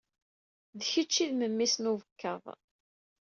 D kečč ay d memmi-s n ubekkaḍ.